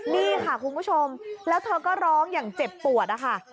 นี่ค่ะคุณผู้ชมแล้วเธอก็ร้องอย่างเจ็บปวดนะคะ